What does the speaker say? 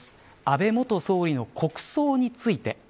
安倍元総理の国葬について。